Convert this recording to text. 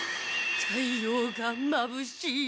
太陽がまぶしい。